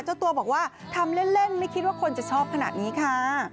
เจ้าตัวบอกว่าทำเล่นไม่คิดว่าคนจะชอบขนาดนี้ค่ะ